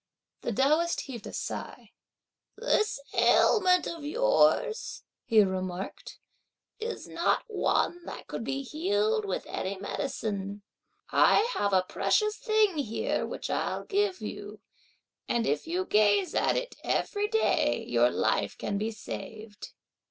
The Taoist heaved a sigh. "This ailment of yours," he remarked, "is not one that could be healed with any medicine; I have a precious thing here which I'll give you, and if you gaze at it every day, your life can be saved!"